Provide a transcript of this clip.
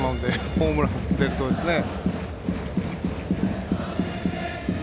ホームランが出るとですね。